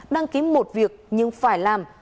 đăng ký một việc nhưng phải làm